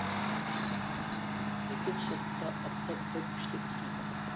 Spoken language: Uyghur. لېكىن سىرتتا ئاپتاپ بەك كۈچلۈك ئىكەن.